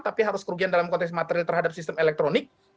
tapi harus kerugian dalam konteks materi terhadap sistem elektronik